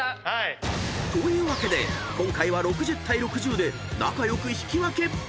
［というわけで今回は６０対６０で仲良く引き分け］